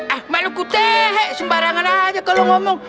ah malu kutehe sembarangan aja kalo ngomong